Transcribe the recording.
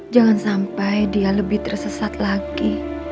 jangan sampai dia lebih tersesat lagi